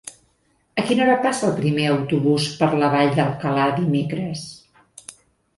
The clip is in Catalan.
A quina hora passa el primer autobús per la Vall d'Alcalà dimecres?